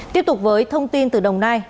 tiếp tục với thông tin từ đồng nai